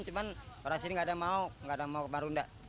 cuman orang sini nggak ada yang mau ke marunda